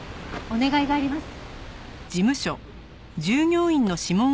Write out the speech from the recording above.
お願いがあります。